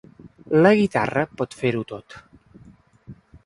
La guitarra pot fer-ho tot.